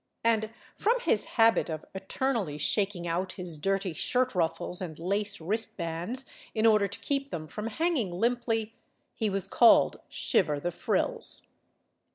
And from his habit of eternally shaking out his dirty shirt ruffles and lace wristbands, in order to keep them from hanging limply, he was called "Shiver the Frills."